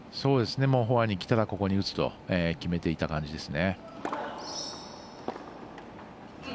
フォアにきたらここに打つと決めていた感じですね。